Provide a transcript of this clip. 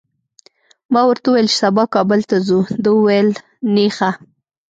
ما ورته وویل چي سبا کابل ته ځو، ده وویل نېخه!